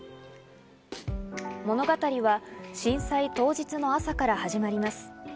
物語は震災当日の朝から始まります。